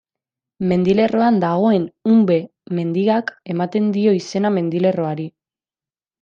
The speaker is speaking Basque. Mendilerroan dagoen Unbe mendiak ematen dio izena mendilerroari.